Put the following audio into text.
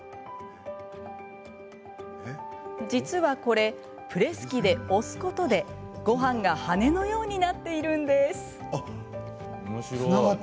実はこれ、プレス機で押すことでごはんが羽根のようになっているんです。